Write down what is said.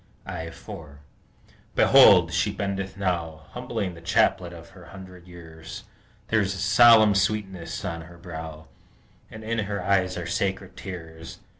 I 4 Behold! she bendeth now, Humbling the chaplet of her hundred years. There is a solemn sweetness on her brow, And in her eyes are sacred tears.